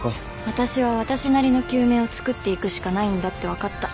私は私なりの救命をつくっていくしかないんだって分かった。